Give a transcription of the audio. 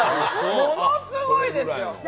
ものすごいですよ。